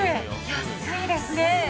安いですね。